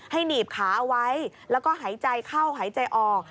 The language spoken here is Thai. ให้หนีบขาไว้แล้วก็เห็นหายใจเข้าหายใจออก